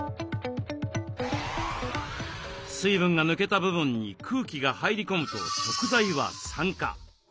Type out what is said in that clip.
水分が抜けた部分に空気が入り込むと食材は酸化。